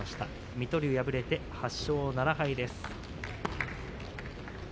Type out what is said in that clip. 水戸龍は敗れて８勝７敗です。